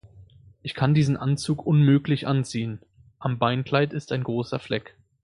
Ich kann diesen Anzug unmöglich anziehen; am Beinkleid ist ein grosser Fleck.